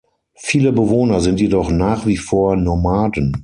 Viele Bewohner sind jedoch nach wie vor Nomaden.